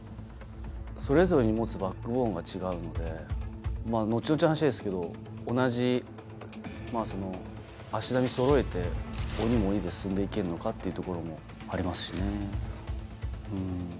それぞれに持つバックボーンが違うので後々の話ですけど同じ足並みそろえて鬼も鬼で進んで行けんのかっていうところもありますしね。